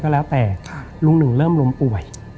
แล้วแต่ลุง๑เริ่มล้มป่วย